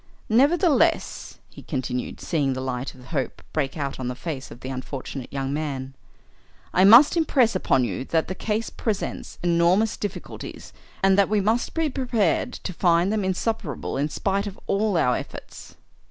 Nevertheless," he continued, seeing the light of hope break out on the face of the unfortunate young man, "I must impress upon you that the case presents enormous difficulties and that we must be prepared to find them insuperable in spite of all our efforts."